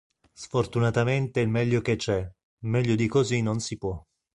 Sfortunatamente il meglio che c'è, meglio di così non si può".